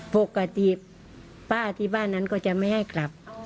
ปกติป้าที่บ้านนั้นก็จะไม่ให้กลับ